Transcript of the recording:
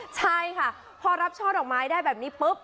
ใช่ค่ะพอรับช่อดอกไม้ได้แบบนี้ปุ๊บ